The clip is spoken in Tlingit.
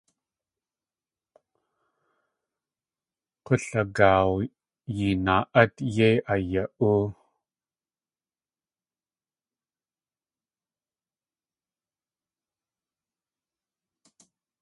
K̲ulagaaw yinaa.át yéi aya.óo.